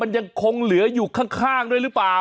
มันยังคงเหลืออยู่ข้างด้วยหรือเปล่า